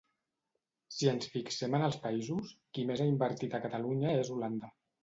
Si ens fixem en els països, qui més ha invertit a Catalunya és Holanda.